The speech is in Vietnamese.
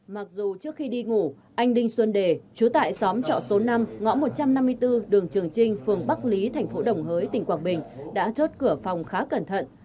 mặc dù trước khi đi ngủ anh đinh xuân đề chú tại xóm trọ số năm ngõ một trăm năm mươi bốn đường trường trinh phường bắc lý thành phố đồng hới tỉnh quảng bình đã chốt cửa phòng khá cẩn thận